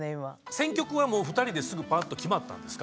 選曲は２人ですぐパッと決まったんですか？